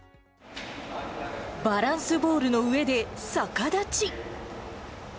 バランスボールの上で逆立ち。